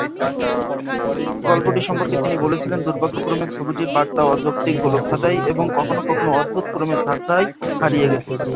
গল্পটি সম্পর্কে তিনি বলেছিলেন, "দুর্ভাগ্যক্রমে, ছবিটির বার্তা অযৌক্তিক গোলকধাধায় এবং কখনও কখনও অদ্ভুত ক্রমের ধাক্কায় হারিয়ে গেছে"।